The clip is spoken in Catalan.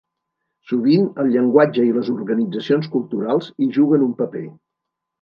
Sovint, el llenguatge i les organitzacions culturals hi juguen un paper.